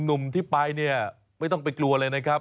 หนุ่มที่ไปเนี่ยไม่ต้องไปกลัวเลยนะครับ